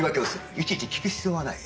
いちいち聞く必要はない。